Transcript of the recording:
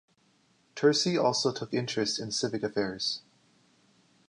Tursi also took interest in civic affairs.